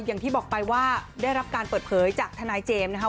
อย่างที่บอกไปว่าได้รับการเปิดเผยจากทนายเจมส์นะคะ